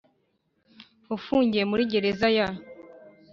ufungiye muri Gereza ya